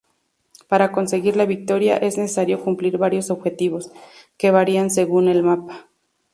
Para conseguir la victoria es necesario cumplir varios objetivos, que varían según el mapa.